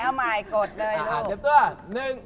เอาใหม่โกรธเลยลูก